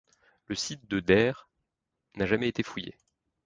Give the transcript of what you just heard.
Le site de Der n'a jamais été fouillé.